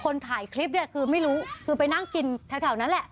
ถ่ายคลิปเนี่ยคือไม่รู้คือไปนั่งกินแถวนั้นแหละ